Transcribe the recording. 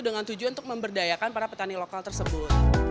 dengan tujuan untuk memberdayakan para petani lokal tersebut